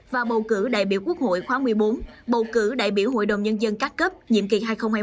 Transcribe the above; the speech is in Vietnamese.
và bầu cử đại biểu quốc hội khóa một mươi bốn bầu cử đại biểu hội đồng nhân dân các cấp nhiệm kỳ hai nghìn hai mươi một hai nghìn hai mươi một